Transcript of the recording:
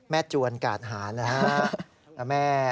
จวนกาดหานะครับ